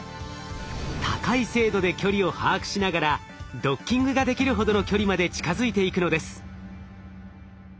高い精度で距離を把握しながらドッキングができるほどの距離まで近づいていくのです。